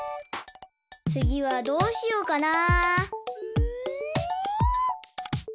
つぎはどうしようかな？